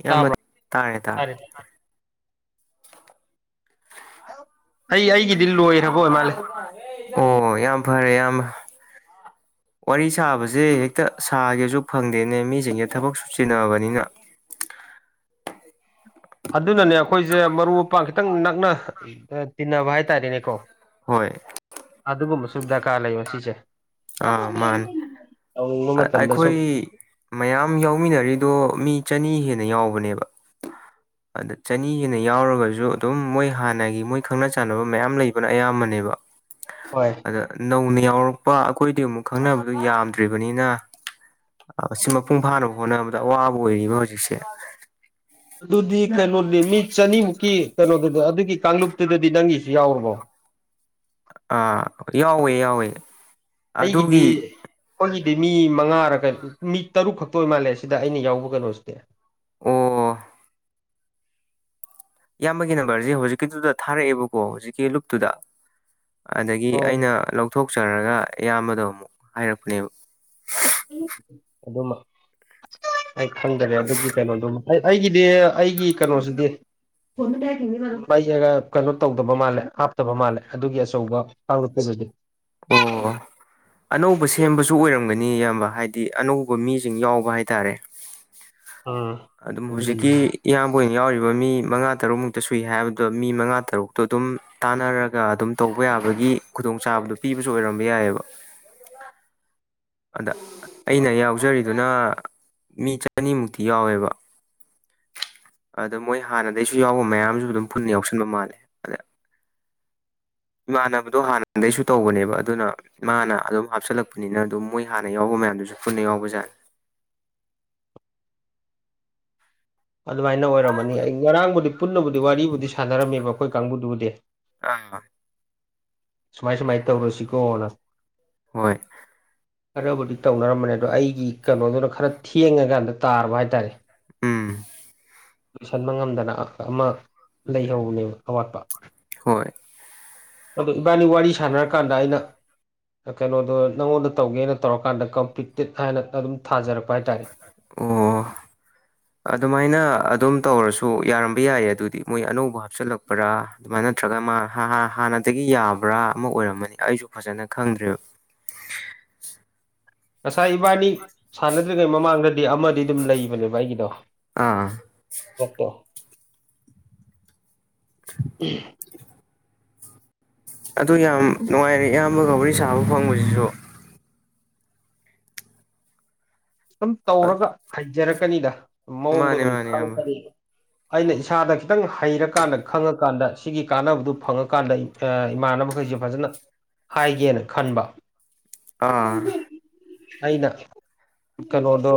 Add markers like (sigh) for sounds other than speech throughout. ꯏꯌꯥꯝꯕ ꯇꯥꯕ꯭ꯔꯣ ꯇꯥꯔꯦ ꯇꯥꯔꯦ (unintelligible) ꯂꯣꯏꯔꯕ ꯑꯣꯏ ꯃꯥꯜꯂꯦ ꯑꯣ ꯌꯥꯝ ꯐꯔꯦ ꯢꯌꯥꯝꯕ ꯋꯥꯔꯤ ꯁꯥꯕꯁꯦ ꯍꯦꯛꯇ ꯁꯥꯒꯦꯁꯨ ꯐꯪꯗꯦꯅꯦ ꯃꯤꯁꯤꯡꯖꯦ ꯊꯕꯛꯁꯨ ꯆꯤꯟꯅꯕꯅꯤꯅ (inaudible) ꯑꯗꯨꯅꯅꯦ ꯑꯈꯣꯏꯖꯦ ꯃꯔꯨꯞ ꯃꯄꯥꯡ ꯈꯤꯇꯪ ꯅꯛꯅ ꯇꯤꯟꯅꯕ ꯍꯥꯏꯇꯥꯔꯦꯅꯦꯀꯣ ꯍꯣꯏ ꯑꯗꯨꯒꯨꯝꯕꯁꯨ ꯗ꯭ꯔꯀꯥꯔ ꯂꯩꯕ ꯁꯤꯁꯦ ꯇꯧꯅꯤꯡꯕ ꯑ ꯃꯇꯝꯗ ꯁꯨꯝ ꯑꯩꯈꯣꯏ ꯃꯌꯥꯝ ꯌꯥꯎꯃꯤꯟꯅꯔꯤꯗꯣ ꯃꯤ ꯆꯅꯤ ꯍꯦꯟꯅ ꯌꯥꯎꯕꯅꯦꯕ ꯑꯗ ꯆꯅꯤ ꯍꯦꯟꯅ ꯌꯥꯎꯔꯒꯖꯨ ꯑꯗꯨꯝ ꯃꯣꯏ ꯍꯥꯟꯅꯒꯤ ꯃꯣꯏ ꯈꯪꯅ ꯆꯥꯟꯅꯕ ꯃꯌꯥꯝ ꯂꯩꯕꯅ ꯑꯌꯥꯝꯕ ꯅꯦꯕ ꯍꯣꯏ ꯑꯗ ꯅꯧꯅ ꯌꯥꯎꯔꯛꯄ ꯑꯈꯣꯢꯗꯤ ꯑꯃꯨꯛ ꯈꯪꯅꯕꯗꯣ ꯌꯥꯝꯗ꯭ꯔꯤ ꯕꯅꯤꯅ ꯑ ꯁꯤ ꯃꯄꯨꯡ ꯐꯥꯅꯕ ꯍꯣꯠꯅꯕꯗ ꯑꯋꯥꯕ ꯑꯣꯏꯔꯤꯕ ꯍꯧꯖꯤꯛꯁꯦ ꯑꯗꯨꯗꯤ ꯀꯩꯅꯣꯅꯤ ꯃꯤ ꯆꯅꯤꯃꯨꯛꯀꯤ ꯀꯩꯅꯣꯗꯨꯗꯤ ꯑꯗꯨꯒꯤ ꯀꯥꯡꯂꯨꯞ ꯇꯨꯗꯗꯤ ꯅꯪꯒꯤꯁꯨ ꯌꯥꯎꯔꯕꯣ ꯑꯥ ꯌꯥꯎꯋꯦ ꯌꯥꯎꯋꯦ ꯑꯩꯒꯤꯗꯤ ꯑꯗꯨꯒꯤ ꯑꯈꯣꯏꯒꯤ ꯒꯤ ꯃꯤ ꯃꯉꯥꯔ ꯀꯩ ꯃꯤ ꯇꯔꯨꯛ ꯈꯛꯇ ꯑꯣꯏ ꯃꯥꯜꯂꯦ ꯁꯤꯗ ꯑꯩꯅ ꯌꯥꯎꯕ ꯀꯩꯅꯣꯁꯤꯗꯤ ꯑꯣ ꯏꯌꯥꯝꯕꯒꯤ ꯅꯝꯕꯔꯖꯦ ꯍꯨꯖꯤꯛꯀꯤꯗꯨꯗ ꯊꯥꯔꯛꯑꯦꯕꯀꯣ ꯍꯨꯖꯤꯛꯀꯤ ꯂꯨꯞꯇꯨꯗ ꯑꯗꯒꯤ ꯑꯣ ꯑꯩꯅ ꯂꯧꯊꯣꯛꯆꯔꯒ ꯑꯌꯥꯝꯕꯗꯣ ꯑꯃꯨꯛ ꯍꯥꯏꯔꯛꯄꯅꯦꯕ ꯑꯗꯨꯃ ꯑꯩ ꯈꯪꯗꯔꯦ ꯑꯗꯨꯒꯤ ꯀꯩꯅꯣꯗꯨꯃ ꯑꯩ ꯑꯩꯒꯤꯗꯤ ꯑꯩꯒꯤ ꯀꯩꯅꯣꯁꯤꯗꯤ ꯃꯩꯑꯒ ꯀꯩꯅꯣ ꯇꯧꯗꯕ ꯃꯥꯜꯂꯦ ꯍꯥꯞꯇꯕ ꯃꯥꯜꯂꯦ ꯑꯗꯨꯒꯤ ꯑꯆꯧꯕ ꯀꯥꯡꯂꯨꯞꯇꯨꯗꯗꯤ ꯑꯣ ꯑꯅꯧꯕ ꯁꯦꯝꯕꯁꯨ ꯑꯣꯏꯔꯝꯒꯅꯤ ꯅꯤ ꯑꯌꯥꯝꯕ ꯍꯥꯏꯗꯤ ꯑꯅꯧꯕ ꯃꯤꯁꯤꯡ ꯌꯥꯎꯕ ꯍꯥꯏꯇꯥꯔꯦ ꯎꯝ ꯑꯗꯨꯝ ꯍꯨꯖꯤꯛꯀꯤ ꯑꯗꯨꯒꯨꯝꯕ ꯏꯌꯥꯝꯕ ꯍꯣꯢꯅ ꯌꯥꯎꯔꯤꯕ ꯔꯤꯕ ꯃꯤ ꯃꯉꯥ ꯇꯔꯨꯛꯃꯨꯛꯇ ꯁꯨꯏ ꯍꯥꯏꯕꯗꯣ ꯃꯤ ꯃꯉꯥ ꯇꯔꯨꯛꯇꯣ ꯑꯗꯨꯝ ꯇꯥꯟꯅꯔꯒ ꯑꯗꯨꯝ ꯇꯧꯕ ꯌꯥꯕꯒꯤ ꯒꯤ ꯈꯨꯗꯣꯡꯆꯥꯕꯗꯨ ꯄꯤꯕꯁꯨ ꯑꯣꯏꯔꯝꯕ ꯌꯥꯏꯌꯦꯕ ꯑꯗ ꯑꯩꯅ ꯌꯥꯎꯖꯔꯤꯗꯨꯅ ꯃꯤ ꯆꯅꯤꯃꯨꯛꯇꯤ ꯌꯥꯎꯋꯦꯕ ꯑꯗ ꯃꯣꯏ ꯍꯥꯟꯅꯗꯩꯁꯨ ꯌꯥꯎꯕ ꯃꯌꯥꯝꯖꯨ ꯗꯨꯝ ꯐꯨꯟ ꯌꯥꯎꯁꯟꯕ ꯃꯥꯜꯂꯦ ꯑꯗ ꯏꯃꯥꯟꯅꯕꯗꯣ ꯍꯥꯟꯅꯗꯩꯁꯨ ꯇꯧꯕꯅꯦꯕ ꯑꯗꯨꯅ ꯃꯥꯅ ꯑꯗꯨꯝ ꯍꯥꯞꯆꯜꯂꯛꯄꯅꯤꯅ ꯗꯨꯝ ꯃꯣꯏ ꯍꯥꯟꯅ ꯌꯥꯎꯕ ꯃꯌꯥꯝꯗꯨꯁꯨ ꯄꯨꯟꯅ ꯌꯥꯎꯕꯖꯥꯠꯅꯦ ꯑꯗꯨꯃꯥꯏꯅ ꯑꯣꯏꯔꯝꯃꯅꯤ ꯑꯩ ꯉꯔꯥꯡꯕꯨꯗꯤ ꯄꯨꯟꯅꯕꯨꯗꯤ ꯋꯥꯔꯤꯕꯨꯗꯤ ꯁꯥꯟꯅꯔꯝꯃꯦꯕ ꯑꯈꯣꯏ ꯀꯥꯡꯕꯨꯗꯨꯕꯨꯗꯤ (unintelligible) ꯁꯨꯃꯥꯏ ꯁꯨꯃꯥꯏ ꯇꯧꯔꯁꯤꯀꯣꯅ ꯍꯣꯏ ꯈꯔꯕꯨꯗꯤ ꯇꯧꯅꯔꯝꯕꯅꯦ ꯑꯗꯣ ꯑꯩꯒꯤ ꯀꯅꯣꯗꯨꯅ ꯈꯔ ꯊꯦꯡꯉꯀꯥꯟꯗ ꯇꯥꯔꯕ ꯍꯥꯏꯇꯥꯔꯦ ꯎꯝ ꯂꯣꯏꯁꯟꯕ ꯉꯝꯗꯅ ꯑꯃ ꯂꯩꯍꯧꯕꯅꯦꯕ ꯑꯋꯥꯠꯄ ꯍꯣꯏ ꯑꯗꯣ ꯏꯕꯥꯅꯤ ꯋꯥꯔꯤ ꯁꯥꯟꯅꯔꯀꯥꯟꯗ ꯑꯩꯅ ꯑꯥ ꯀꯩꯅꯣꯗꯣ ꯅꯪꯉꯣꯟꯗ ꯇꯧꯒꯦꯅ ꯇꯧꯔꯀꯥꯟꯗ ꯀꯝꯄꯤꯇꯤꯠ ꯍꯥꯏꯅ ꯑꯗꯨꯝ ꯊꯥꯖꯔꯛ ꯑꯣ ꯑꯗꯨꯃꯥꯏꯅ ꯑꯗꯨꯝ ꯇꯧꯔꯁ ꯑꯣ ꯌꯥꯔꯝꯕ ꯌꯥꯏꯌꯦ ꯑꯗꯨꯗꯤ ꯃꯣꯏ ꯑꯅꯧꯕ ꯍꯥꯞꯆꯜꯂꯛꯄ꯭ꯔꯥ ꯑꯗꯨꯃꯥꯏꯅ ꯅꯠꯇ꯭ꯔꯒ ꯃꯥ ꯍꯥ ꯍꯥ ꯍꯥꯟꯅꯗꯒꯤ ꯌꯥ ꯕ꯭ꯔꯥ ꯑꯃ ꯑꯣꯏꯔꯝꯃꯅꯤ ꯑꯩꯁꯨ ꯐꯖꯅ ꯈꯪꯗ꯭ꯔꯦꯕ ꯉꯁꯥꯏ ꯏꯕꯥꯅꯤ ꯁꯥꯟꯅꯗ꯭ꯔꯤꯉꯩ ꯃꯃꯥꯡ ꯑꯃꯗꯤ ꯑꯗꯨꯝ ꯂꯩꯕꯅꯦꯕ ꯑꯩꯒꯤꯗꯣ ꯑꯥ ꯄꯣꯠꯇꯣ (unintelligible) ꯑꯗꯨ ꯌꯥꯝ ꯅꯨꯡꯉꯥꯏꯔꯦ ꯏꯌꯥꯝꯕꯒ ꯋꯥꯔꯤ ꯁꯥꯕ ꯐꯪꯕꯁꯤꯁꯨ ꯁꯨꯝ ꯇꯧꯔꯒ ꯍꯩꯖꯔꯛꯀꯅꯤꯗ ꯃꯑꯣꯡꯗꯣ ꯃꯥꯅꯦ ꯗꯨꯝ ꯃꯥꯅꯦ ꯏꯌꯥꯝꯕ ꯈꯪꯉꯛꯀꯅꯤ ꯑꯩꯅ ꯏꯁꯥꯗ ꯈꯤꯇꯪ ꯍꯩꯔꯀꯥꯟꯗ ꯈꯪꯉꯀꯥꯟꯗ ꯁꯤꯒꯤ ꯀꯥꯟꯅꯕꯗꯨ ꯐꯪꯉꯀꯥꯟ ꯗ ꯏꯃꯥꯟꯅꯕꯈꯩꯁꯦ ꯐꯖꯟꯅ ꯍꯥꯏꯒꯦꯅ ꯈꯟꯕ ꯑꯥ (unintelligible) ꯑꯩꯅ ꯀꯅꯣꯗꯣ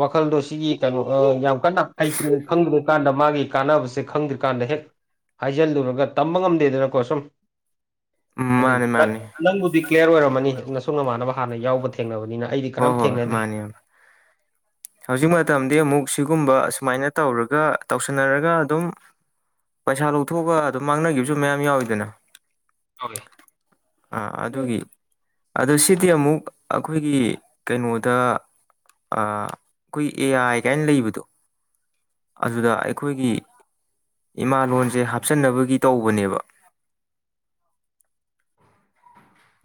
ꯋꯥꯈꯜꯗꯣ ꯁꯤꯒꯤ ꯀꯩꯅꯣ ꯍꯣ ꯌꯥꯝ ꯀꯟꯅ ꯍꯩꯇ꯭ꯔꯤ ꯈꯪꯗ꯭ꯔꯤ ꯀꯥꯟꯗ ꯃꯥꯒꯤ ꯀꯥꯟꯅꯕꯁꯦ ꯈꯪꯗ꯭ꯔꯤꯀꯥꯟꯗ ꯍꯦꯛ ꯍꯥꯏꯖꯜꯂꯨꯔꯒ ꯇꯝꯕ ꯉꯝꯗꯦꯗꯅꯀꯣ ꯁꯨꯝ ꯎꯝ ꯍꯥꯏꯗꯤ ꯃꯥꯅꯦ ꯇꯠ ꯃꯥꯅꯦ ꯅꯪꯕꯨꯗꯤ ꯀ꯭ꯂꯤꯌ꯭ꯔ ꯑꯣꯏꯔꯝꯃꯅꯤ ꯅꯁꯨ ꯅꯃꯥꯟꯅꯕ ꯍꯥꯟꯅ ꯌꯥꯎꯕ ꯊꯦꯡꯅꯕꯅꯤꯅ ꯑꯩꯗꯤ ꯍꯣꯏ ꯀꯅꯥꯝ ꯍꯣꯏ ꯊꯦꯡꯅꯗ꯭ꯔꯤ ꯃꯥꯅꯦ ꯍꯧꯖꯤꯛ ꯃꯇꯝꯗꯤ ꯑꯃꯨꯛ ꯁꯤꯒꯨꯝꯕ ꯁꯨꯃꯥꯏꯅ ꯇꯧꯔꯒ ꯇꯧꯁꯟꯅꯔꯒ ꯑꯗꯨꯝ ꯄꯩꯁꯥ ꯂꯧꯊꯣꯛꯑꯒ ꯑꯗꯨꯝ ꯃꯥꯡꯅꯒꯤꯕꯁꯨ ꯃꯌꯥꯝ ꯌꯥꯎꯋꯤꯗꯅ ꯌꯥꯎꯋꯤ ꯑ ꯑꯗꯨꯒꯤ ꯑꯗꯣ ꯁꯤꯗꯤ ꯑꯃꯨꯛ ꯑꯈꯣꯏꯒꯤ ꯀꯩꯅꯣꯗ ꯑꯥ ꯑꯩꯈꯣꯏ ꯑꯦ ꯑꯥꯏ ꯀꯥꯏꯟ ꯂꯩꯕꯗꯣ ꯑꯗꯨꯗ ꯑꯩꯈꯣꯏꯒꯤ ꯏꯃꯥꯂꯣꯟꯁꯦ ꯍꯥꯞꯆꯟꯅꯕꯒꯤ ꯇꯧꯕꯅꯦꯕ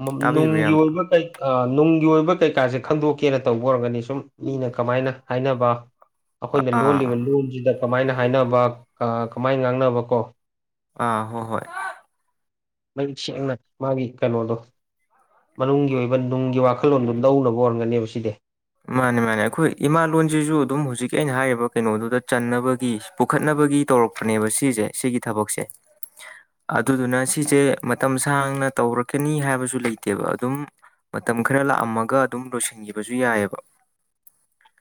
ꯃꯝ ꯇꯥꯕꯤꯕ꯭ꯔꯥ ꯅꯨꯡꯒꯤ ꯏꯌꯥꯝꯕ ꯑꯣꯏꯕ ꯀꯩ ꯑꯥ ꯅꯨꯡꯒꯤ ꯑꯣꯏꯕ ꯀꯩꯀꯥꯁꯦ ꯈꯟꯗꯣꯛꯀꯦꯅ ꯇꯧꯕ ꯑꯣꯏꯔꯝꯒꯅꯤ ꯁꯨꯝ ꯃꯤꯅ ꯀꯃꯥꯏꯅ ꯍꯥꯏꯅꯕ ꯑꯈꯣꯏꯅ ꯂꯣꯜꯂꯤꯕ ꯑꯥ ꯂꯣꯟꯁꯤꯅ ꯀꯃꯥꯏꯅ ꯍꯥꯏꯅꯕ ꯀꯥ ꯀꯃꯥꯏꯅ ꯉꯥꯡꯅꯕ ꯀꯣ ꯑꯥ ꯍꯣ ꯍꯣꯏ ꯃꯌꯦꯛ ꯁꯦꯡꯅ ꯃꯥꯒꯤ ꯀꯅꯣꯗꯣ ꯃꯅꯨꯡꯒꯤ ꯑꯣꯏꯕ ꯅꯨꯡꯒꯤ ꯋꯥꯈꯜꯂꯣꯟꯗꯨ ꯂꯧꯅꯕ ꯑꯣꯏꯔꯝꯒꯅꯤꯕ ꯁꯤꯗꯤ ꯃꯥꯅꯦ ꯃꯥꯅꯦ ꯑꯩꯈꯣꯏ ꯏꯃꯥ ꯂꯣꯟꯖꯤꯁꯨ ꯑꯗꯨꯝ ꯍꯧꯖꯤꯛꯀꯤ ꯑꯩꯅ ꯍꯥꯏꯔꯤꯕ ꯀꯩꯅꯣꯗꯨꯗ ꯆꯟꯅꯕꯒꯤ ꯄꯨꯈꯠꯅꯕ ꯗꯨꯒꯤ ꯇꯧꯔꯛꯄꯅꯦꯕ ꯁꯤꯁꯦ ꯁꯤꯒꯤ ꯊꯕꯛꯁꯦ ꯑꯗꯨꯗꯨꯅ ꯁꯤꯁꯦ ꯃꯇꯝ ꯁꯥꯡꯅ ꯇꯧꯔꯛꯀꯅꯤ ꯍꯥꯏꯕꯁꯨ ꯂꯩꯇꯦꯕ ꯑꯗꯨꯝ ꯃꯇꯝ ꯈꯔ ꯂꯥꯛꯑꯝꯃꯒ ꯑꯗꯨꯝ ꯂꯣꯏꯁꯟꯒꯤꯕꯁꯨ ꯌꯥꯏ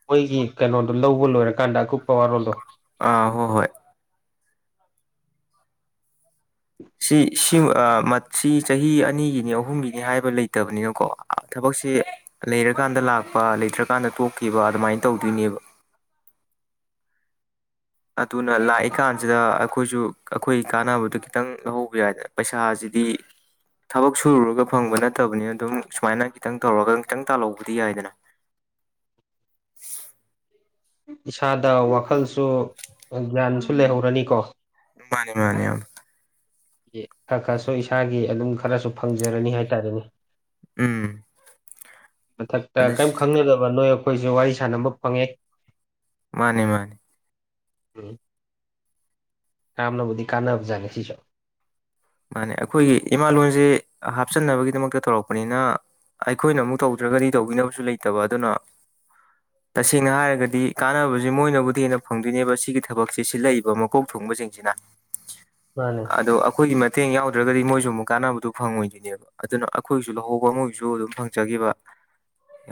ꯃꯣꯏꯒꯤ ꯀꯩꯅꯣꯗꯣ ꯂꯧꯕ ꯂꯣꯏꯔꯀꯥꯟꯗ ꯑꯀꯨꯞꯄ ꯋꯥꯔꯣꯜꯗꯣ ꯑ ꯍꯣ ꯍꯣꯏ ꯁꯤ ꯁꯤ ꯁꯤ ꯆꯍꯤ ꯑꯅꯤꯒꯤꯅꯤ ꯑꯍꯨꯝꯒꯤꯅꯤ ꯍꯥꯏꯕ ꯂꯩꯇꯕꯅꯤꯅꯀꯣ ꯊꯕꯛ ꯁꯤ ꯂꯩꯔꯀꯥꯟꯗ ꯂꯥꯛꯄ ꯂꯩꯇ꯭ꯔꯀꯥꯟꯗ ꯇꯣꯛꯈꯤꯕ ꯑꯗꯨꯃꯥꯏꯅ ꯇꯧꯗꯣꯏꯅꯦꯕ (inaudible) ꯑꯗꯨꯅ ꯂꯥꯛꯏꯀꯥꯟꯁꯤꯗ ꯑꯩꯈꯣꯏꯁꯨ ꯑꯩꯈꯣꯏ ꯀꯥꯟꯅꯕꯗꯨ ꯈꯤꯇꯪ ꯂꯧꯍꯧꯕ ꯌꯥꯏꯗꯅ ꯄꯩꯁꯥꯁꯤ ꯗꯤ ꯊꯕꯛ ꯁꯨꯔꯨꯔꯒ ꯐꯪꯕ ꯅꯠꯇꯕꯅꯤꯅ ꯑꯗꯨꯝ ꯁꯨꯃꯥꯏꯅ ꯈꯤꯇꯪ ꯇꯧꯔꯒ ꯈꯤꯇꯪ ꯇꯥꯜꯍꯧꯕꯗꯤ ꯌꯥꯏꯗꯅ (inaudible) ꯏꯁꯥꯗ ꯋꯥꯈꯜꯁꯨ ꯒ꯭ꯌꯥꯟꯁꯨ ꯂꯩꯍꯧꯔꯅꯤꯀꯣ ꯃꯥꯅꯤ ꯃꯥꯅꯤ ꯏꯌꯥꯝꯕ ꯈꯔ ꯈꯔꯁꯨ ꯏꯁꯥꯒꯤ ꯑꯗꯨꯝ ꯈꯔꯁꯨ ꯐꯪꯖꯔꯅꯤ ꯍꯥꯏꯇꯥꯔꯦꯅꯦ ꯎꯝ ꯃꯊꯛꯇ ꯑꯗꯨ ꯀꯔꯤꯝ ꯈꯪꯅꯗꯕ ꯅꯣꯏ ꯑꯩꯈꯣꯏꯁꯨ ꯋꯥꯔꯤ ꯁꯥꯟꯅꯕ ꯐꯪꯉꯦ ꯃꯥꯅꯦ ꯃꯥꯅꯦ ꯀꯥꯟꯅꯕꯨꯗꯤ ꯀꯥꯅꯕꯖꯥꯠꯅꯦ ꯁꯤꯁꯨ ꯃꯥꯅꯦ ꯑꯩꯈꯣꯏꯒꯤ ꯏꯃꯥꯂꯣꯟꯁꯦ ꯍꯥꯞꯆꯟꯅꯕꯒꯤꯗꯃꯛꯇ ꯇꯧꯔꯛꯄꯅꯤꯅ ꯑꯩꯈꯣꯏꯅ ꯑꯃꯨꯛ ꯇꯧꯗ꯭ꯔꯒꯗꯤ ꯇꯧꯕꯤꯅꯕꯁꯨ ꯂꯩꯇꯕ ꯑꯗꯨꯅ ꯇꯁꯦꯡꯅ ꯍꯥꯏꯔꯒꯗꯤ ꯀꯥꯟꯅꯕꯁꯦ ꯃꯣꯏꯅꯕꯨꯗꯤ ꯍꯦꯟꯅ ꯐꯪꯗꯣꯏꯅꯦꯕ ꯁꯤꯒꯤ ꯊꯕꯛꯁꯦ ꯁꯤꯜꯂꯛꯏꯕ ꯃꯀꯣꯛ ꯊꯣꯡ ꯊꯣꯡꯕ ꯁꯤꯡꯁꯤꯅ ꯃꯥꯅꯦ ꯑꯗꯣ ꯑꯩꯈꯣꯏꯒꯤ ꯃꯇꯦꯡ ꯌꯥꯎꯗ꯭ꯔꯒꯗꯤ ꯃꯣꯏꯁꯨ ꯑꯃꯨꯛ ꯀꯥꯟꯅꯕꯗꯨ ꯐꯪꯉꯣꯏꯗꯣꯏꯅꯦꯕ ꯑꯗꯨꯅ ꯑꯩꯈꯣꯏꯒꯤꯁꯨ ꯂꯧꯍꯧꯕ ꯃꯣꯏꯒꯤꯁꯨ ꯑꯗꯨꯝ ꯐꯪꯖꯈꯤꯕ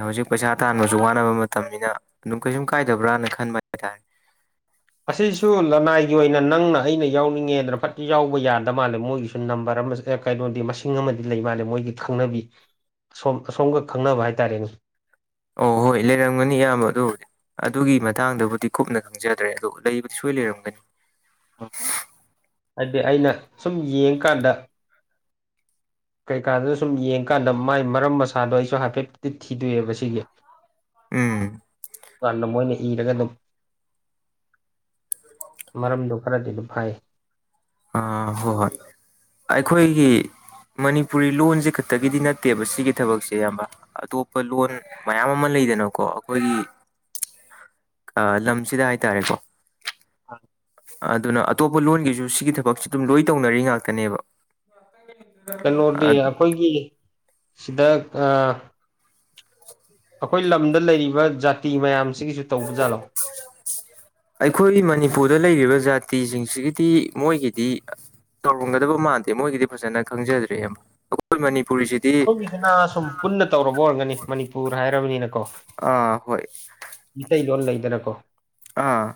ꯍꯧꯖꯤꯛ ꯄꯩꯁꯥ ꯇꯥꯟꯕꯁꯨ ꯋꯥꯅꯕ ꯃꯇꯝꯅꯤꯅ ꯑꯗꯨꯝ ꯀꯩꯁꯨꯝ ꯀꯥꯏꯗꯕ꯭ꯔꯅ ꯈꯟꯕ ꯍꯥꯏꯇꯥꯔꯦ (inaudible) ꯑꯁꯤꯁꯨ ꯂꯅꯥꯏꯒꯤ ꯑꯣꯏꯅ ꯅꯪꯅ ꯑꯩꯅ ꯌꯥꯎꯅꯤꯡꯉꯦꯅ ꯐꯠ ꯌꯥꯎꯕ ꯌꯥꯗ ꯃꯥꯜꯂꯦ ꯃꯣꯏꯒꯤꯁꯨ ꯅꯝꯕꯔ ꯀꯩꯅꯣꯗꯤ ꯃꯁꯤꯡ ꯑꯃꯗꯤ ꯂꯩ ꯃꯥꯜꯂꯦ ꯃꯣꯏꯒꯤ ꯈꯪꯅꯕꯤ ꯑꯁꯣꯝ ꯑꯁꯣꯝꯒ ꯈꯪꯅꯕ ꯍꯥꯏꯇꯥꯔꯦꯅꯦ ꯑꯣ ꯍꯣꯏ ꯂꯩꯔꯝꯒꯅꯤ ꯏꯌꯥꯝꯕ ꯑꯗꯨꯕꯨꯗꯤ ꯑꯗꯨꯒꯤ ꯃꯇꯥꯡꯗꯕꯨꯗꯤ ꯀꯨꯞꯅ ꯈꯪꯖꯗ꯭ꯔꯦ ꯑꯗꯨ ꯂꯩꯕꯗꯤ ꯁꯣꯏ ꯂꯩꯔꯝꯒꯅꯤ ꯍꯥꯏꯗꯤ ꯑꯩꯅ ꯁꯨꯝ ꯌꯦꯡꯀꯥꯟꯗ ꯀꯩꯀꯥꯗꯣ ꯁꯨꯝ ꯌꯦꯡꯀꯥꯟꯗ ꯃꯥꯏ ꯃꯔꯝ ꯃꯁꯥꯗꯣ ꯑꯩꯁꯨ ꯍꯥꯏꯐꯦꯠꯇꯤ ꯊꯤꯗꯣꯛ ꯑꯦꯕ ꯁꯤꯒꯤ ꯎꯝ ꯀꯟꯗ ꯃꯣꯏꯅ ꯏꯔꯒ ꯑꯗꯨꯝ ꯃꯔꯝꯗꯨ ꯈꯔꯗꯤ ꯑꯗꯨ ꯐꯥꯏ ꯑꯥ ꯍꯣꯏ ꯍꯣꯏ ꯑꯩꯈꯣꯏꯒꯤ ꯃꯅꯤꯄꯨꯔꯤ ꯂꯣꯟꯁꯦ ꯈꯛꯇꯒꯤꯗꯤ ꯅꯠꯇꯦꯕ ꯁꯤꯒꯤ ꯊꯕꯛꯁꯦ ꯑꯌꯥꯝꯕ ꯑꯇꯣꯞꯄ ꯂꯣꯟ ꯃꯌꯥꯝ ꯑꯃ ꯂꯩ ꯄꯤꯒꯅꯣꯀꯣ ꯑꯩꯈꯣꯏꯒꯤ ꯂꯝꯁꯤꯗ ꯍꯥꯏꯇꯥꯔꯦꯀꯣ (inaudible) ꯑꯗꯨꯅ ꯑꯇꯣꯞꯄ ꯂꯣꯟꯒꯤꯁꯨ ꯁꯤꯒꯤ ꯊꯕꯛꯁꯤ ꯑꯗꯨꯝ ꯂꯣꯏ ꯇꯧꯅꯔꯤ ꯉꯥꯛꯇꯅꯦꯕ ꯀꯩꯅꯣꯗꯤ ꯑꯩꯈꯣꯏꯒꯤ ꯁꯤꯗ ꯑꯩꯈꯣꯏ ꯂꯝꯗ ꯂꯩꯔꯤꯕ ꯖꯥꯇꯤ ꯃꯌꯥꯝ ꯑꯩꯈꯣꯏꯒꯤ ꯃꯅꯤꯄꯨꯔꯗ ꯂꯩꯔꯤꯕ ꯖꯥꯠ ꯖꯇꯤ ꯁꯤꯡꯁꯤꯒꯤꯗꯤ ꯃꯣꯏꯒꯤꯗꯤ ꯇꯧꯔꯝꯒꯗꯕ ꯃꯥꯟꯗꯦ ꯃꯣꯏꯒꯤꯗꯤ ꯐꯖꯅ ꯈꯪꯖꯗ꯭ꯔꯦ ꯏꯌꯥꯝꯕ ꯑꯩꯈꯣꯏ ꯃꯅꯤꯄꯨꯔ ꯑꯩꯈꯣꯏꯒꯤꯁꯤꯅ ꯁꯨꯝ ꯄꯨꯟꯅ ꯇꯧꯔꯕ ꯑꯣꯏꯔꯝꯒꯅꯤ ꯃꯅꯤꯄꯨꯔ ꯍꯥꯏꯔꯕꯅꯤꯅꯀꯣ ꯑꯥ ꯍꯣꯏ ꯑꯩ ꯂꯣꯟ ꯂꯩꯗꯅꯀꯣ ꯑꯥ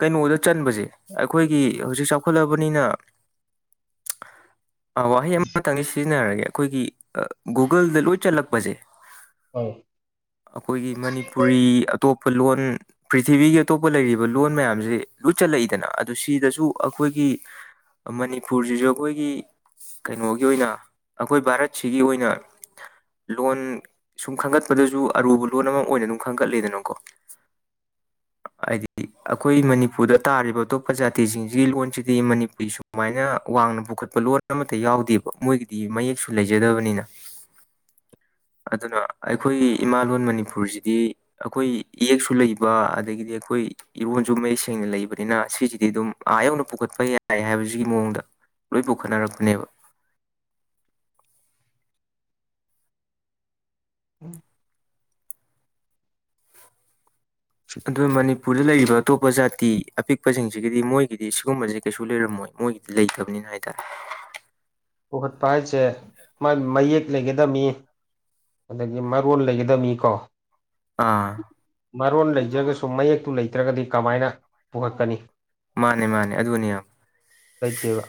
ꯀꯩꯅꯣꯗ ꯆꯟꯕꯁꯦ ꯑꯩꯈꯣꯏꯒꯤ ꯍꯧꯖꯤꯛ ꯆꯥꯎꯈꯠꯂꯕꯅꯤꯅ (inaudible) ꯑꯥ ꯋꯥꯍꯩ ꯑꯃꯇꯪ ꯑꯩ ꯁꯤꯖꯤꯟꯅꯔꯒꯦ ꯑꯩꯈꯣꯏꯒꯤ ꯒꯨꯒꯜꯗ ꯂꯣꯏ ꯆꯜꯂꯛꯄꯁꯦ ꯑꯧ ꯑꯩꯈꯣꯏꯒꯤ ꯃꯅꯤꯄꯨꯔꯤ ꯑꯇꯣꯞ ꯂꯣꯟ ꯄ꯭ꯔꯤꯊꯤꯕꯤꯒꯤ ꯑꯇꯣꯞꯄ ꯂꯩꯔꯤꯕ ꯂꯣꯟ ꯃꯌꯥꯝꯁꯦ ꯂꯣꯏ ꯆꯜꯂꯛꯏꯗꯅ ꯑꯗꯨ ꯁꯤꯗꯁꯨ ꯑꯩꯈꯣꯏꯒꯤ ꯃꯅꯤꯄꯨꯔꯁꯤꯁꯨ ꯑꯩꯈꯣꯏꯒꯤ ꯀꯩꯅꯣꯒꯤ ꯑꯣꯏꯅ ꯑꯩꯈꯣꯏ ꯚꯥꯔꯠꯁꯤꯒꯤ ꯑꯣꯏꯅ ꯂꯣꯟ ꯁꯨꯝ ꯈꯟꯒꯠꯄꯗꯁꯨ ꯑꯔꯨꯕ ꯂꯣꯟ ꯑꯃ ꯑꯣꯏꯅ ꯑꯗꯨꯝ ꯈꯟꯒꯠꯂꯦꯗꯅꯀꯣ (inaudible) ꯍꯥꯏꯗꯤ ꯑꯩꯈꯣꯏ ꯃꯅꯤꯄꯨꯔꯗ ꯇꯥꯔꯤꯕ ꯑꯇꯣꯞꯄ ꯖꯥꯇꯤꯁꯤꯡꯁꯤꯒꯤ ꯂꯣꯟꯁꯤꯗꯤ ꯃꯅꯤꯄꯨꯔꯤ ꯁꯨꯃꯥꯏꯅ ꯋꯥꯡꯅ ꯄꯨꯈꯠꯄ ꯂꯣꯟ ꯑꯃꯠꯇ ꯌꯥꯎꯗꯦꯕ ꯃꯣꯏꯒꯤꯗꯤ ꯃꯌꯦꯛꯁꯨ ꯂꯩꯖꯗꯕꯅꯤꯅ ꯑꯗꯨꯅ ꯑꯩꯈꯣꯏꯒꯤ ꯏꯃꯥ ꯂꯣꯟ ꯃꯅꯤꯄꯨꯔꯁꯤꯗꯤ ꯑꯩꯈꯣꯏ ꯏꯌꯦꯛꯁꯨ ꯂꯩꯕ ꯑꯗꯒꯤꯗꯤ ꯑꯩꯈꯣꯏ ꯏꯔꯣꯟꯁꯨ ꯃꯌꯦꯛ ꯁꯦꯡꯅ ꯂꯩꯕꯅꯤꯅ ꯁꯤꯁꯤꯗꯤ ꯑꯗꯨꯝ ꯑꯥ ꯌꯧꯅ ꯄꯨꯈꯠꯄ ꯌꯥꯏ ꯍꯥꯏꯕꯁꯤꯒꯤ ꯃꯑꯣꯡꯗ ꯂꯣꯏ ꯄꯨꯈꯠꯅꯔꯛꯄꯅꯦꯕ (inaudible) ꯑꯗꯨꯒ ꯃꯅꯤꯄꯨꯔꯗ ꯂꯩꯔꯤ ꯑꯗꯣ ꯑꯇꯣꯞꯄ ꯖꯥꯇꯤ ꯑꯄꯤꯛꯄꯁꯤꯡꯁꯤꯒꯤꯗꯤ ꯃꯣꯏꯒꯤꯗꯤ ꯁꯤꯒꯨꯝꯕꯁꯦ ꯀꯩꯁꯨ ꯂꯩꯔꯝꯃꯣꯏ ꯃꯣꯏꯒꯤꯗꯤ ꯂꯩꯇꯝꯅꯤꯅ ꯍꯥꯏꯇꯥꯔꯦ (inaudible) ꯄꯨꯈꯠꯄ ꯍꯥꯏꯁꯦ ꯃꯥꯏ ꯃꯌꯦꯛ ꯂꯩꯒꯗꯃꯤ ꯑꯗꯒꯤ ꯃꯔꯣꯜ ꯂꯩꯒꯗꯝꯅꯤꯀꯣ ꯑꯥ ꯃꯔꯣꯟ ꯂꯩꯖ꯭ꯔꯒꯁꯨ ꯃꯌꯦꯛꯇꯨ ꯂꯩꯇ꯭ꯔꯒꯗꯤ ꯀꯃꯥꯏꯅ ꯄꯨꯈꯛꯀꯅꯤ ꯃꯥꯅꯦ ꯃꯥꯅꯦ ꯑꯗꯨꯅꯦ ꯂꯩꯇꯦꯕ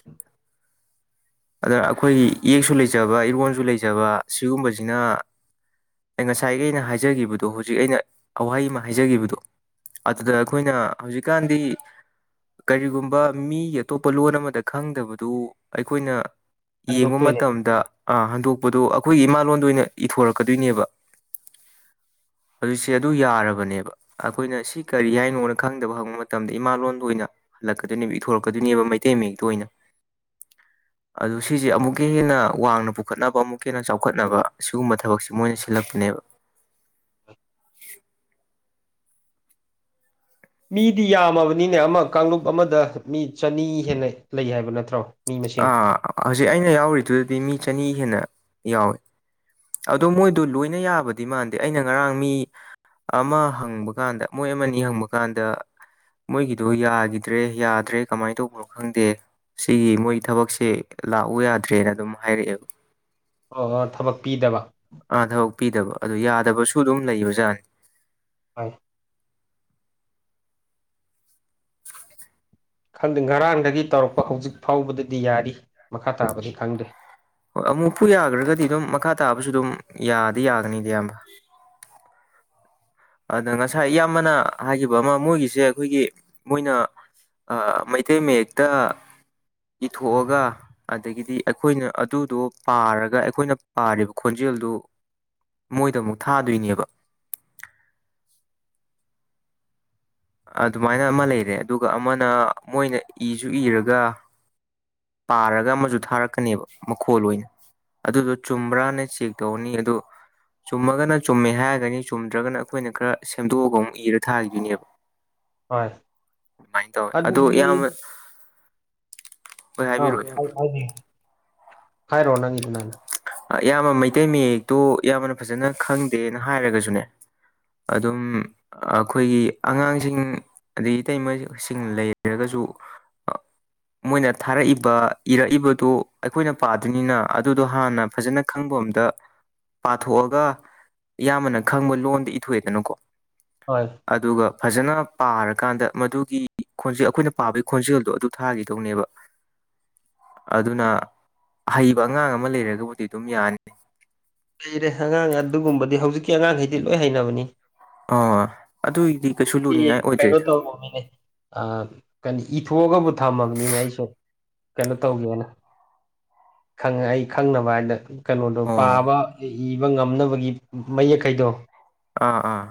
ꯑꯗ ꯑꯩꯈꯣꯏꯒꯤ ꯏꯌꯦꯛꯛꯁꯨ ꯂꯩꯖꯕ ꯏꯔꯣꯟꯁꯨ ꯂꯩꯖꯕ ꯁꯤꯒꯨꯝꯕꯁꯤꯅ ꯉꯁꯥꯏꯒꯤ ꯑꯩꯅ ꯍꯥꯏꯖꯒꯤꯕꯗꯣ ꯍꯧꯖꯤꯛ ꯑꯩꯅ ꯋꯥꯍꯩ ꯑꯃ ꯍꯥꯏꯖꯒꯤꯕꯗꯣ ꯑꯗꯨꯗ ꯑꯩꯈꯣꯏꯅ ꯍꯧꯖꯤꯛꯀꯥꯟꯗꯤ ꯀꯔꯤꯒꯨꯝꯕ ꯃꯤꯒꯤ ꯑꯇꯣꯞꯄ ꯂꯣꯟ ꯑꯃꯗ ꯈꯪꯗꯕꯗꯨ ꯑꯩꯈꯣꯏꯅ ꯌꯦꯡꯕ ꯍꯟꯗꯣꯛꯇꯣꯏꯅꯦ ꯃꯇꯝꯗ ꯑ ꯍꯟꯗꯣꯛꯄꯗꯣ ꯑꯩꯈꯣꯏꯒꯤ ꯏꯃꯥꯂꯣꯟꯗ ꯑꯣꯏꯅ ꯏꯊꯣꯔꯛꯀꯗꯣꯏꯅꯦꯕ (inaudible) ꯍꯧꯖꯤꯛꯁꯦ ꯑꯗꯨ ꯌꯥꯔꯕꯅꯦꯕ ꯑꯩꯈꯣꯏꯅ ꯁꯤ ꯀꯔꯤ ꯍꯥꯏꯅꯣꯅ ꯈꯪꯗꯕ ꯍꯪꯕ ꯃꯇꯝꯗ ꯏꯃꯥꯂꯣꯟꯗ ꯑꯣꯏꯅ ꯍꯜꯂꯛꯀꯗꯣꯏꯅꯦꯕ ꯏꯊꯣꯔꯛꯀꯗꯣꯏꯅꯦꯕ ꯃꯩꯇꯩ ꯃꯌꯦꯛꯇ ꯑꯣꯏꯅ ꯑꯗꯨ ꯁꯤꯁꯦ ꯑꯃꯨꯛꯀ ꯍꯦꯟꯅ ꯋꯥꯡꯅ ꯄꯨꯈꯠꯅꯕ ꯑꯃꯨꯛꯀ ꯍꯦꯟꯅ ꯆꯥꯎꯈꯠꯅꯕ ꯁꯤꯒꯨꯝꯕ ꯊꯕꯛꯁꯦ ꯃꯣꯏꯅ ꯂꯛꯅꯦꯕ ꯃꯤꯗꯤ ꯌꯥꯝꯃꯕꯅꯤꯅꯦ ꯑꯃ ꯀꯥꯡꯂꯨꯞ ꯑꯃꯗ ꯃꯤ ꯆꯅꯤ ꯍꯦꯟꯅ ꯂꯩ ꯍꯥꯏꯕ ꯅꯠꯇ꯭ꯔꯣ ꯃꯤ ꯃꯁꯤꯡ ꯑꯥ ꯍꯧꯖꯤꯛ ꯑꯩꯅ ꯌꯥꯎꯔꯤꯗꯨꯗꯗꯤ ꯃꯤ ꯆꯅꯤ ꯍꯦꯟꯅ ꯌꯥꯎꯏ ꯑꯗꯣ ꯃꯣꯏꯗꯣ ꯂꯣꯏꯅ ꯌꯥꯕꯗꯤ ꯃꯥꯟꯗꯦ ꯑꯩꯅ ꯉꯔꯥꯡ ꯃꯤ ꯑꯃ ꯍꯪꯕ ꯀꯥꯟꯗ ꯃꯣꯏ ꯑꯃꯅꯤ ꯍꯪꯕ ꯀꯥꯟꯗ ꯃꯣꯏꯒꯤꯗꯨ ꯌꯥꯒꯤꯗ꯭ꯔꯦ ꯌꯥꯗ꯭ꯔꯦ ꯀꯃꯥꯏꯟ ꯇꯧꯕꯅꯣ ꯈꯪꯗꯦ ꯁꯤꯒꯤ ꯃꯣꯏ ꯊꯕꯛꯁꯦ ꯂꯥꯛꯎ ꯌꯥꯗ꯭ꯔꯦꯅ ꯑꯗꯨꯝ ꯍꯥꯏꯔꯛꯑꯦꯕ ꯑꯣ ꯑꯣ ꯊꯕꯛ ꯄꯤꯗꯕ ꯑꯥ ꯊꯕꯛ ꯄꯤꯗꯕ ꯑꯗꯨ ꯌꯥꯗꯕꯁꯨ ꯑꯗꯨꯝ ꯂꯩꯕꯖꯥꯅꯤ (inaudible) ꯈꯪꯗꯦ ꯉꯔꯥꯡꯗꯒꯤ ꯇꯧꯔꯛꯄ ꯍꯧꯖꯤꯛ ꯐꯥꯎꯕꯗꯗꯤ ꯌꯥꯔꯤ ꯃꯈꯥ ꯇꯥꯕꯗꯤ ꯈꯪꯗꯦ ꯍꯣꯏ ꯑꯃꯨꯛꯄꯨ ꯌꯥꯈ꯭ꯔꯒꯗꯤ ꯑꯗꯨꯝ ꯃꯈꯥ ꯇꯥꯕꯁꯨ ꯑꯗꯨꯝ ꯌꯥꯗꯤ ꯌꯥꯒꯅꯤꯗ ꯏꯌꯥꯝꯕ (inaudible) ꯑꯗ ꯉꯁꯥꯏ ꯏꯌꯥꯝꯕꯅ ꯍꯥꯏꯈꯤꯕ ꯑꯃ ꯃꯣꯏꯒꯤꯁꯦ ꯑꯈꯣꯏꯒꯤ ꯃꯣꯏꯅ ꯑꯥ ꯃꯩꯇꯩ ꯃꯌꯦꯛꯇ ꯏꯊꯣꯛꯑꯒ ꯑꯗꯒꯤꯗꯤ ꯑꯩꯈꯣꯏꯅ ꯑꯗꯨꯗꯣ ꯄꯥꯔꯒ ꯑꯩꯈꯣꯏꯅ ꯄꯥꯔꯤꯕ ꯈꯣꯟꯖꯦꯟ ꯖꯜꯗꯨ ꯃꯣꯏꯗ ꯑꯃꯨꯛ ꯊꯥꯗꯨꯏꯅꯦꯕ ꯑꯗꯨꯃꯥꯏꯅ ꯑꯃ ꯂꯩꯔꯦ ꯑꯗꯨꯒ ꯑꯃꯅ ꯃꯣꯏꯅ ꯏꯁꯨ ꯏꯔꯒ ꯄꯥꯔꯒ ꯑꯃꯖꯨ ꯊꯥꯔꯛꯀꯅꯤꯕ ꯃꯈꯣꯜ ꯑꯣꯏꯅ ꯑꯗꯨꯗꯣ ꯆꯨꯝꯕ꯭ꯔꯥꯅ ꯆꯦꯛ ꯇꯧꯔꯅꯤ ꯑꯗꯨ ꯆꯨꯝꯃꯒꯅ ꯆꯨꯝꯃꯦ ꯍꯥꯏꯔꯒꯅꯤ ꯆꯨꯝꯗ꯭ꯔꯒꯅ ꯑꯩꯈꯣꯏꯅ ꯈꯔ ꯁꯦꯝꯗꯣꯛꯑꯒ ꯑꯃꯨꯛ ꯏꯔ ꯊꯥꯒꯤꯗꯣꯏꯅꯦꯕ ꯍꯣꯏ ꯗꯨꯃꯥꯏꯟ ꯇꯧꯋꯦ ꯑꯗꯨ ꯑꯗꯨꯗꯤ ꯏꯌꯥꯝꯕ ꯍꯣꯏ ꯑꯥ ꯍꯥꯏꯕꯤꯔꯛꯑꯣ ꯏꯌꯥꯝꯕ (unintelligible) ꯍꯥꯏꯔꯣ ꯅꯪꯒꯤꯗꯨꯅ ꯍꯥꯟꯅ ꯑ ꯏꯌꯥꯝꯕ ꯃꯩꯇꯩ ꯃꯌꯦꯛꯇꯨ ꯑꯌꯥꯝꯕꯅ ꯐꯖꯅ ꯈꯪꯗꯦꯅ ꯍꯥꯏꯔꯒꯁꯨꯅꯦ ꯑꯗꯨꯝ ꯑꯈꯣꯏꯒꯤ ꯑꯉꯥꯡꯁꯤꯡ ꯑꯗꯩ ꯏꯇꯩꯃꯁꯤꯡ ꯂꯩꯔꯒꯁꯨ ꯖꯨ ꯑꯥ ꯃꯣꯏꯅ ꯊꯥꯔꯛꯏꯕ ꯏꯔꯛꯏꯕꯗꯨ ꯑꯩꯈꯣꯏꯅ ꯄꯥꯗꯨꯏꯅꯤꯅ ꯑꯗꯨꯗꯣ ꯍꯥꯟꯅ ꯐꯖꯅ ꯈꯪꯕ ꯑꯝꯇ ꯄꯥꯊꯣꯛꯑꯒ ꯏꯌꯥꯝꯕꯅ ꯈꯪꯕ ꯂꯣꯟꯗ ꯏꯊꯣꯛꯑꯦꯗꯅꯀꯣ ꯍꯣꯏ ꯑꯗꯨꯒ ꯐꯖꯅ ꯄꯥꯔꯀꯥꯟꯗ ꯃꯗꯨꯒꯤ ꯈꯣꯟꯖꯦ ꯑꯈꯣꯏꯅ ꯄꯥꯕꯩ ꯈꯣꯟꯖꯦꯜꯗꯣ ꯑꯗꯨ ꯊꯥꯒꯤꯗꯧꯅꯦꯕ ꯑꯗꯨꯅ ꯍꯩꯕ ꯑꯉꯥꯡ ꯑꯃ ꯂꯩꯔꯒꯕꯨꯗꯤ ꯑꯗꯨꯝ ꯌꯥꯅꯤ ꯂꯩꯔꯦ ꯑꯉꯥꯡ ꯑꯗꯨꯒꯨꯝꯕꯗꯤ ꯍꯧꯖꯤꯛꯀꯤ ꯑꯉꯥꯡꯈꯩꯗꯤ ꯂꯣꯏ ꯍꯩꯅꯕꯅꯤ ꯑꯥ ꯑꯗꯨꯒꯤꯗꯤ ꯀꯩꯁꯨ ꯇꯤ ꯂꯨꯅꯤꯡꯉꯥꯏ ꯀꯩꯅꯣ ꯑꯣꯏꯗ꯭ꯔꯦꯗ ꯇꯧꯕ ꯃꯤꯅꯦ ꯑꯥ ꯀꯅꯤ ꯏꯊꯣꯛꯑꯒꯕꯨ ꯊꯝꯃꯕꯅꯤꯅꯦ ꯑꯩꯁꯨ ꯀꯩꯅꯣ ꯇꯧꯒꯦꯅ ꯈꯪꯉ ꯑꯩ ꯈꯪꯅꯕ ꯍꯥꯏꯅ ꯀꯩꯅꯣꯗꯣ ꯑꯣ ꯄꯥꯕ ꯏꯕ ꯉꯝꯅꯕꯒꯤ ꯃꯌꯦꯛꯈꯩꯗꯣ ꯑꯥ ꯑꯥ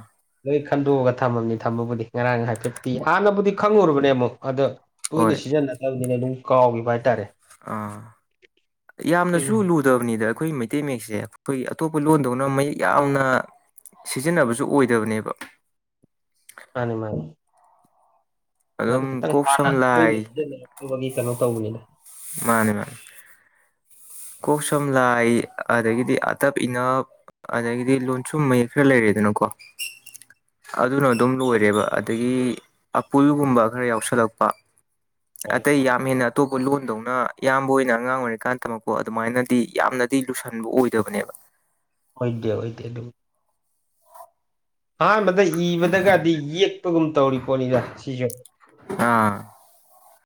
ꯂꯣꯏ ꯈꯟꯗꯣꯛꯑꯒ ꯊꯝꯃꯝꯅꯤ ꯊꯝꯕꯕꯨꯗꯤ ꯉꯔꯥꯡ ꯍꯥꯏꯐꯤꯠꯇꯤ ꯍꯥꯟꯅꯕꯨꯗꯤ ꯈꯪꯉꯨꯨꯔꯕꯅꯦ ꯑꯃꯨꯛ ꯑꯗ ꯍꯣꯏ ꯇꯣꯏꯅ ꯁꯤꯖꯤꯟꯅꯗꯕꯅꯤꯅ ꯑꯗꯨꯝ ꯀꯥꯎꯒꯤꯕ ꯍꯥꯏꯇꯥꯔꯦ ꯑꯥ ꯌꯥꯝꯅꯁꯨ ꯂꯨꯗꯕꯅꯤꯗ ꯑꯈꯣꯏ ꯃꯩꯇꯩ ꯃꯌꯦꯛꯁꯦ ꯑꯈꯣꯏꯒꯤ ꯑꯇꯣꯞꯄ ꯂꯣꯟꯗꯧꯅ ꯃꯌꯦꯛ ꯌꯥꯝꯅ ꯁꯤꯖꯤꯟꯅꯕꯁꯨ ꯑꯣꯏꯗꯕꯅꯦꯕ ꯃꯥꯅꯤ ꯃꯥꯅꯤ ꯑꯗꯕꯨ ꯑꯗꯨꯝ ꯈꯤꯇꯪ ꯀꯣꯛ ꯍꯥꯟꯅ ꯁꯝ ꯇꯣꯏꯅ ꯂꯥꯏ ꯁꯤꯖꯤꯟꯅꯔꯛꯇꯕꯒꯤ ꯀꯩꯅꯣ ꯇꯧꯕꯅꯤꯅ ꯃꯥꯅꯤ ꯃꯥꯅꯤ ꯀꯣꯛ ꯁꯝ ꯂꯥꯏ ꯑꯗꯒꯤꯗꯤ ꯑꯥꯇꯞ ꯏꯅꯞ ꯑꯗꯒꯤꯗꯤ ꯂꯣꯟꯁꯨꯝ ꯃꯌꯦꯛ ꯈꯔ ꯂꯩꯔꯦꯗꯅꯀꯣ ꯑꯗꯨꯅ ꯑꯗꯨꯝ ꯂꯣꯏꯔꯦꯕ ꯑꯗꯒꯤ ꯑꯞꯄꯨꯜꯒꯨꯝꯕ ꯈꯔ ꯌꯥꯎꯁꯜꯂꯛꯄ ꯍꯣꯏ ꯑꯇꯩ ꯌꯥꯝ ꯍꯦꯟꯅ ꯑꯇꯣꯞꯄ ꯂꯣꯟꯗꯧꯅ ꯏꯌꯥꯝꯕ ꯍꯣꯏꯅ ꯑꯉꯥꯡ ꯑꯣꯏꯔꯤꯀꯥꯟ ꯇꯝꯃꯛ ꯀꯣ ꯑꯗꯨꯃꯥꯏꯅꯗꯤ ꯌꯥꯝꯅꯗꯤ ꯂꯨꯁꯟꯕ ꯑꯣꯏꯗꯕꯅꯦꯕ ꯑꯣꯢꯗꯦ ꯑꯣꯢꯗꯦ ꯑꯗꯨꯕꯨ ꯑꯍꯥꯟꯕꯗ ꯏꯕꯗꯒꯗꯤ ꯌꯦꯛꯄꯒꯨꯝ ꯇꯧꯔꯤ ꯄꯣꯠꯅꯤꯅ ꯁꯤꯖꯨ ꯑꯥ